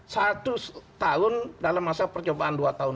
satu tahun dalam masa percobaan dua tahun